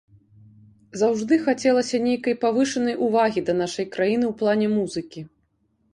Заўжды хацелася нейкай павышанай увагі да нашай краіны ў плане музыкі.